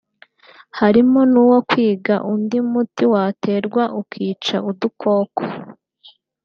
harimo n’uwo kwiga undi muti waterwa ukica udukoko”